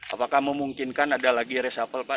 apakah memungkinkan ada lagi reshuffle pak